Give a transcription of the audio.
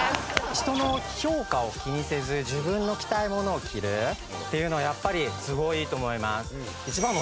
人の評価を気にせず自分の着たいものを着るっていうのはやっぱりすごいいいと思います。